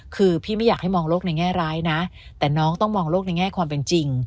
คือพี่ไม่อยากให้มองโลกในแง่ร้ายนะแต่น้องต้องมองโลกในแง่ความเป็นจริง